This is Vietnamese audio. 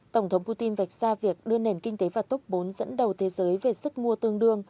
tổng thống putin vạch ra việc đưa nền kinh tế vào tốc bốn dẫn đầu thế giới về sức mua tương đương